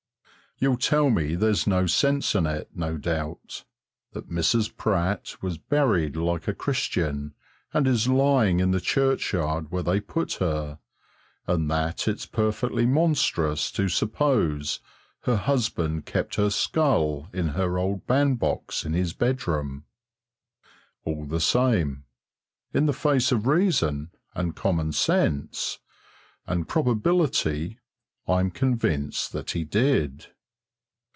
You'll tell me there's no sense in it, no doubt; that Mrs. Pratt was buried like a Christian and is lying in the churchyard where they put her, and that it's perfectly monstrous to suppose her husband kept her skull in her old bandbox in his bedroom. All the same, in the face of reason, and common sense, and probability, I'm convinced that he did.